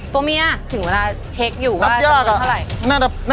ตัวเมียถึงเวลาเช็คอยู่ว่ายอดเราเท่าไหร่